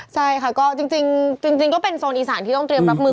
ใช่ค่ะก็จริงก็เป็นโซนอีสานที่ต้องเตรียมรับมือ